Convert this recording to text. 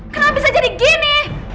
kenapa bisa jadi gini